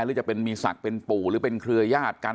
หรือจะเป็นมีศักดิ์เป็นปู่หรือเป็นเครือญาติกัน